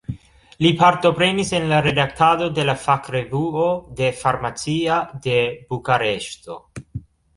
Li partoprenis en la redaktado de la fakrevuo de "Farmacia" de Bukareŝto.